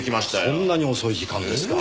そんなに遅い時間ですか。